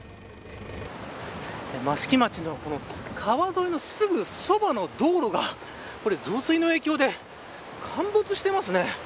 益城町の川沿いのすぐそばの道路がこれ、増水の影響で陥没していますね。